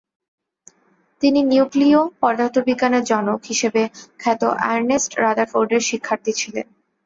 তিনি "নিউক্লীয় পদার্থবিজ্ঞানের জনক" হিসেবে খ্যাত আর্নেস্ট রাদারফোর্ডের শিক্ষার্থী ছিলেন।